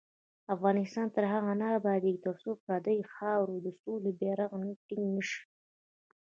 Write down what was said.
افغانستان تر هغو نه ابادیږي، ترڅو پر دې خاوره د سولې بیرغ ټینګ نشي.